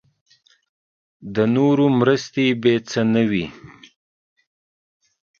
د نورو مرستې بې څه نه وي.